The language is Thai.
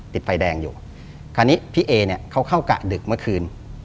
คราวนี้พี่เอ๋เขาเข้ากะดึกเมื่อคืน